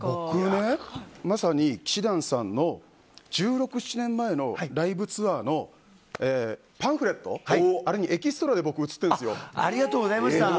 僕まさに氣志團さんの１６１７年前のライブツアーのパンフレットにエキストラで僕、写ってるんですよ。